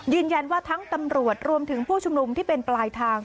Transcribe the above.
ทั้งตำรวจรวมถึงผู้ชุมนุมที่เป็นปลายทาง